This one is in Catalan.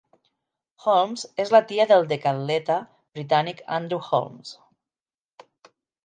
Holmes és la tia del decatleta britànic Andrew Holmes.